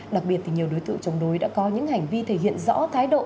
đặc biệt thì nhiều đối tượng chống đối đã có những hành vi thể hiện rõ thái độ